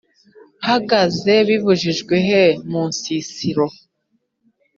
hagaze bibujijwehe? munsisiro